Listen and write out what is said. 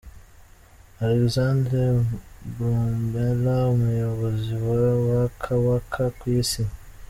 Alexander Brummeler umuyobozi wa Waka Waka ku Isi.